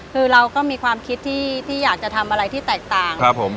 คือเราก็มีความคิดที่อยากจะทำอะไรที่แตกต่าง